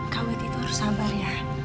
kak wit itu harus sabar ya